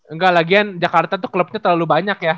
enggak lagian jakarta tuh klubnya terlalu banyak ya